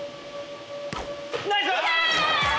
ナイス！